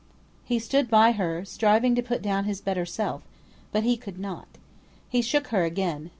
He stood by her, striving to put down his better self; but he could not. He shook her again.